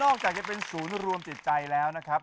ออกจากจะเป็นศูนย์รวมจิตใจแล้วนะครับ